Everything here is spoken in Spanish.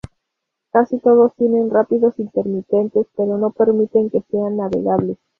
Casi todos tienen rápidos intermitentes que no permiten que sean navegables.